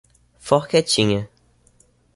Forquetinha